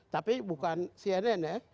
tapi bukan cnn ya